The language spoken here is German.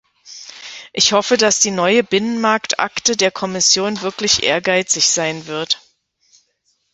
Ich hoffe, dass die neue Binnenmarktakte der Kommission wirklich ehrgeizig sein wird.